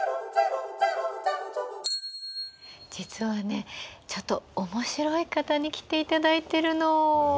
実はねちょっと面白い方に来ていただいてるの。